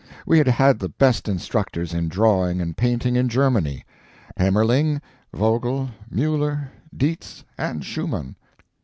We had had the best instructors in drawing and painting in Germany Haemmerling, Vogel, Mueller, Dietz, and Schumann.